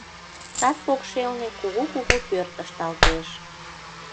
Сад покшелне кугу-кугу пӧрт ышталтеш.